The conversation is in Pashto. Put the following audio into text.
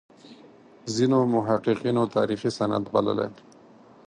ځینو محققینو تاریخي سند بللی.